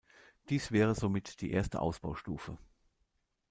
Dies wäre somit die erste Ausbaustufe.